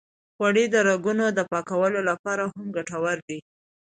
غوړې د رګونو د پاکولو لپاره هم ګټورې دي.